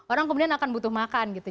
orang kemudian akan butuh makan gitu